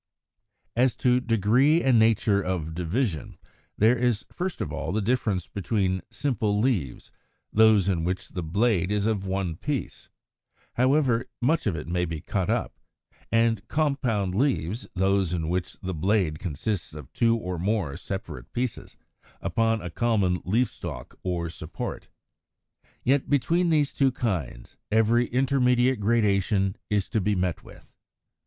[Illustration: Fig. 133 141. Forms of the apex of leaves.] 138. =As to degree and nature of Division=, there is first of all the difference between Simple Leaves, those in which the blade is of one piece, however much it may be cut up, and Compound Leaves, those in which the blade consists of two or more separate pieces, upon a common leaf stalk or support. Yet between these two kinds every intermediate gradation is to be met with.